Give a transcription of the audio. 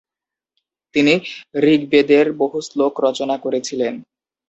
তিনি ঋগ্বেদের বহু শ্লোক রচনা করেছিলেন।